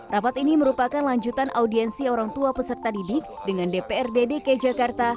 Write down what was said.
rapat ini merupakan lanjutan audiensi orang tua peserta didik dengan dprd dki jakarta